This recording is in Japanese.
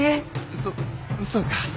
そっそうか？